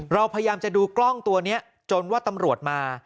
เราพยายามจะดูกล้องตัวนี้จนว่าตำรวจมา